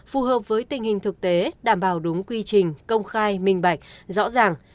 khai minh bạch rõ ràng